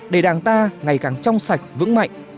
để đảng ta ngày càng trong sạch vững mạnh